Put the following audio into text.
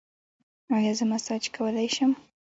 ایا زه مساج کولی شم؟